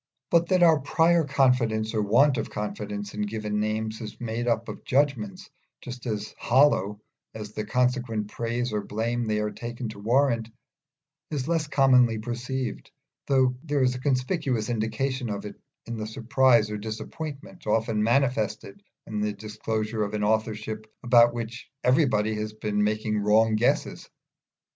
But that our prior confidence or want of confidence in given names is made up of judgments just as hollow as the consequent praise or blame they are taken to warrant, is less commonly perceived, though there is a conspicuous indication of it in the surprise or disappointment often manifested in the disclosure of an authorship about which everybody has been making wrong guesses.